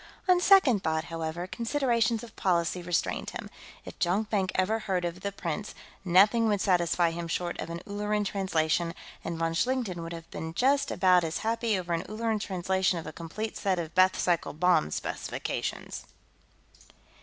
On second thought, however, considerations of policy restrained him. If Jonkvank ever heard of The Prince, nothing would satisfy him short of an Ulleran translation, and von Schlichten would have been just about as happy over an Ulleran translation of a complete set of Bethe cycle bomb specifications.